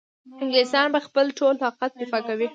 انګلیسیان به په خپل ټول طاقت دفاع کوي.